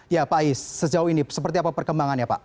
ya pak ayi sejauh ini seperti apa perkembangan ya pak